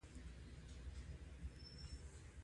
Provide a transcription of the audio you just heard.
ټپي ته باید د دردونو تسکین ورکړو.